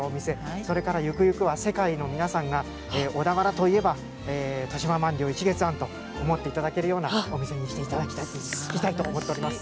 それから行く行くは世界の皆さんが、小田原といえば豊島鰻寮一月庵と思っていただけるようなお店にしていきたいと思っております。